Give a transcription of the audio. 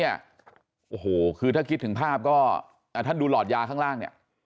โอ้โหคือถ้าคิดถึงภาพก็ท่านดูหลอดยาข้างล่างเนี่ย